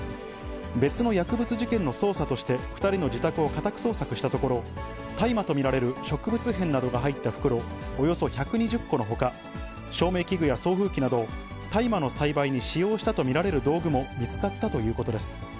別の薬物事件の捜査として、２人の自宅を家宅捜索したところ、大麻と見られる植物片などが入った袋、およそ１２０個のほか、照明器具や送風機など、大麻の栽培に使用したと見られる道具も見つかったということです。